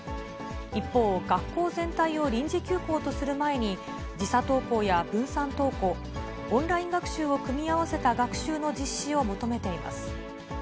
一方、学校全体を臨時休校とする前に、時差登校や分散登校、オンライン学習を組み合わせた学習の実施を求めています。